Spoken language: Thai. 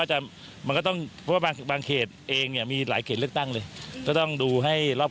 อาจารย์อยากจะให้ไปเสริมซับขอตรงไหนบ้างครับ